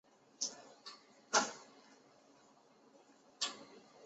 被选拔出的优秀学生大部分被授予全额奖学金。